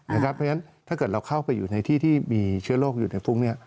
เพราะฉะนั้นถ้าเกิดเราเข้าไปอยู่ในที่ที่มีเชื้อโรคอยู่ในฟุ้ง